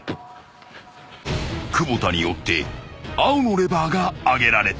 ［久保田によって青のレバーが上げられた］